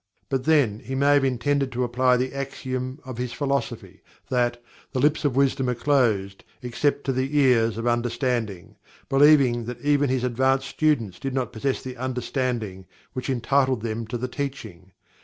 But, then, he may have intended to apply the axiom of his philosophy, that: "The lips of Wisdom are closed, except to the ears of Understanding," believing that even his advanced students did not possess the Understanding which entitled them to the Teaching.